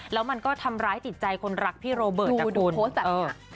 แล้วมันก็ทำร้ายติดใจคนรักพี่โรเบิร์ตนะคุณถูกโพสต์จากนี้